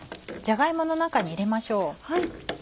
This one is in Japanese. じゃが芋の中に入れましょう。